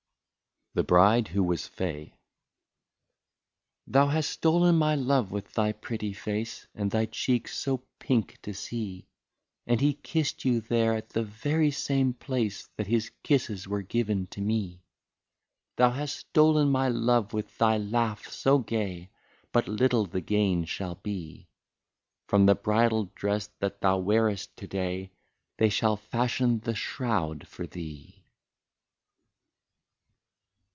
i65 THE BRIDE WHO WAS FEY. " Thou hast stolen my love with thy pretty face, And thy cheeks so pink to see ; And he kissed you there at the very same place, That his kisses were given to me. " Thou hast stolen my love with thy laugh so gay, But little the gain shall be — From the bridal dress that thou wearest to day. They shall fashion the shroud for thee.